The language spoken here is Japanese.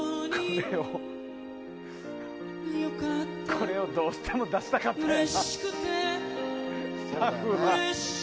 これを、どうしても出したかったんやなスタッフが。